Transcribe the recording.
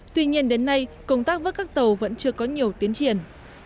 tuy nhiên đến nay công tác vớt các tàu vẫn chưa có nhiều tiến triển